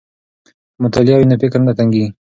که مطالع وي نو فکر نه تنګیږي.